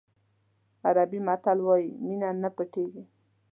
عربي متل وایي مینه نه پټېږي.